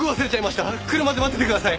車で待っててください。